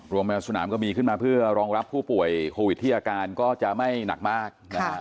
แมวสนามก็มีขึ้นมาเพื่อรองรับผู้ป่วยโควิดที่อาการก็จะไม่หนักมากนะฮะ